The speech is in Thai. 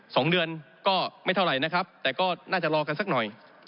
สองเดือนก็ไม่เท่าไหร่นะครับแต่ก็น่าจะรอกันสักหน่อย